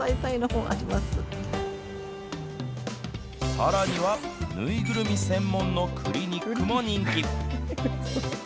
さらには縫いぐるみ専門のクリニックも人気。